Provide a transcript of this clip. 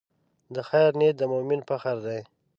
د خیر نیت د مؤمن فخر دی.